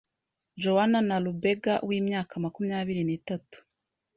Joan Nalubega w'imyaka makumyabiri nitatu,